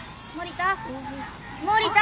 森田！